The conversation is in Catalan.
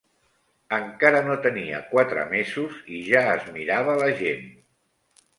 Encara no tenia quatre mesos i ja es mirava la gent